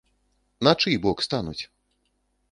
На чый бок стануць?